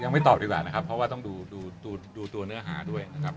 ไม่ตอบดีกว่านะครับเพราะว่าต้องดูดูตัวเนื้อหาด้วยนะครับ